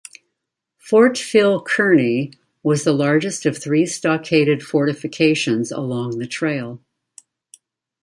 Fort Phil Kearny was the largest of the three stockaded fortifications along the trail.